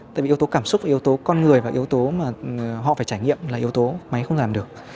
tại vì yếu tố cảm xúc yếu tố con người và yếu tố mà họ phải trải nghiệm là yếu tố máy không làm được